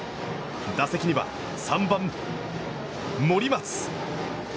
打席には、３番森松。